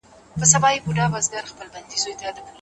په پایله کې چې اخلاص وي، اختلاف به ژور نه شي.